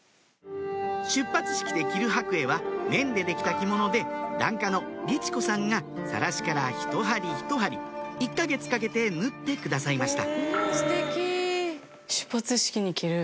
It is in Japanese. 出発式で着る白衣は綿で出来た着物で檀家のりち子さんがさらしからひと針ひと針１か月かけて縫ってくださいました